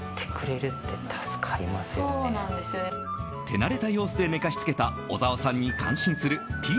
手慣れた様子で寝かしつけた小澤さんに感心する、て